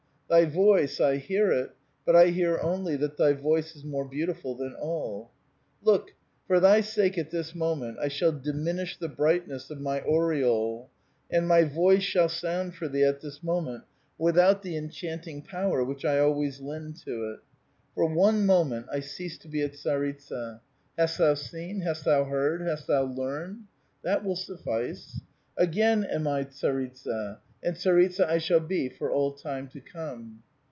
Thy voice, I hear it, but I hear only that thv voice is more beautiful than all." " Look ; for thy sake at this moment, I shall diminish the brightness of my aureole, and my voice shall sound for thee at this moment without the enchanting power which I al ways lend to it ; for one moment I cease to be a tsaritsa. A VITAL QUESTION. 875 Hast thou seen ? hast thou heard ? hast thou learned ? That will suffice ; again am I tsaritsa, and tsaritsa I shall be for all time to come."